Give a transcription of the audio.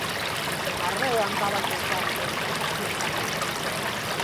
Arreo andaba a queixarse e a cuspir sangue